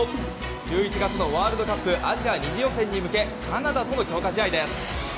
１１月のワールドカップアジア２次予選に向けカナダとの強化試合です。